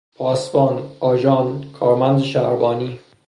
پاسبان، آژان، کارمند شهربانی